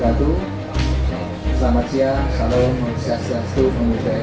halo selamat migrah